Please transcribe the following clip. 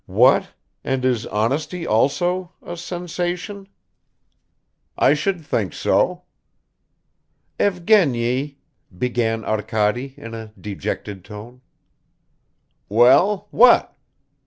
"What, and is honesty also a sensation?" "I should think so." "Evgeny ...!" began Arkady in a dejected tone. "Well? What?